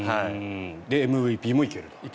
で、ＭＶＰも行けると。